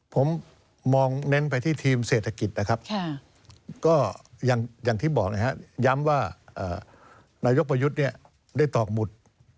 ผมมองเน้นไปที่ทีมเศรษฐกิจนะครับก็อย่างที่บอกนะครับย้ำว่านายกประยุทธ์เนี่ยได้ตอกหมุด